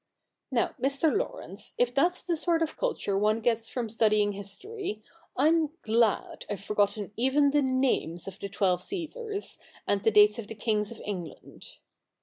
Now, Mr. Laurence, if that's the sort of culture one gets from studying history, I'm glad I've forgotten even the names of the twelve Ccesars, and the dates of the kings of England.